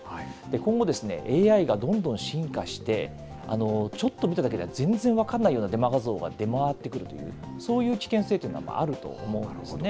今後、ＡＩがどんどん進化して、ちょっと見ただけでは全然分からないようなデマ画像が出回ってくるという、そういう危険性というのがあると思うんですね。